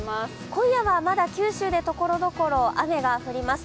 今夜はまだ九州でところどころ雨が降ります。